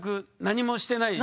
何にもしてない。